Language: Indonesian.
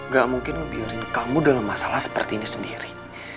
gak mungkin ngebiarin kamu dalam masalah seperti ini sendiri